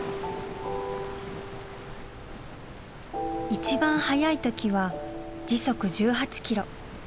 一番速い時は時速１８キロ。